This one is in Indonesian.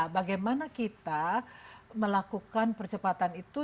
bagaimana kita melakukan percepatan itu